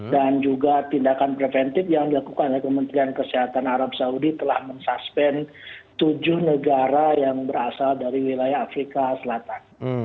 dan juga tindakan preventif yang dilakukan oleh kementerian kesehatan arab saudi telah mensuspend tujuh negara yang berasal dari wilayah afrika selatan